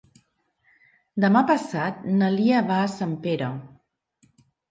Demà passat na Lia va a Sempere.